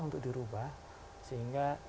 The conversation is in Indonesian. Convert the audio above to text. untuk dirubah sehingga